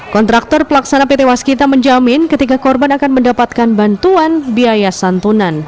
kontraktor pelaksana pt waskita menjamin ketika korban akan mendapatkan bantuan biaya santunan